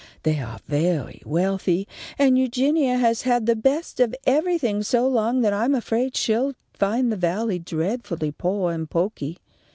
They are very wealthy, and Eugenia has had the best of everything so long that I'm afraid she'll find the Valley dreadfully poah and poky.